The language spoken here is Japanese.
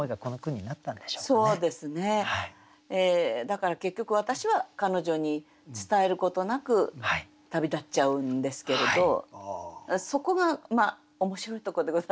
だから結局私は彼女に伝えることなく旅立っちゃうんですけれどそこが面白いとこでございましょうかね。